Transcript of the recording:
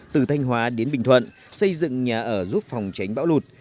từ thanh hóa đến bình thuận xây dựng nhà ở giúp phòng tránh bão lụt